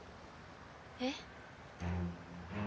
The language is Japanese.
えっ？